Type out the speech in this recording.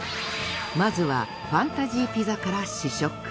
まずはファンタジーピザから試食。